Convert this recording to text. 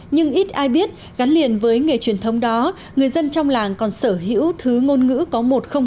nhưng ít ai biết gắn liền với nghề truyền thống đó người dân trong làng còn sở hữu thứ ngôn ngữ có một trăm linh hai